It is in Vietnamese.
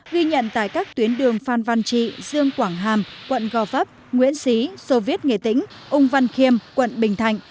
ghi nhận tại các tuyến đường phan văn trị dương quảng hàm quận gò vấp nguyễn xí sô viết nghệ tĩnh úng văn khiêm quận bình thành